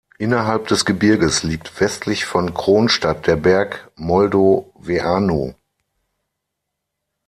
Innerhalb des Gebirges liegt westlich von Kronstadt der Berg Moldoveanu.